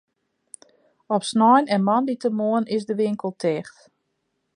Op snein en moandeitemoarn is de winkel ticht.